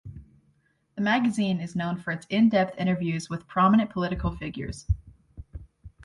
The magazine is known for its in-depth interviews with prominent political figures.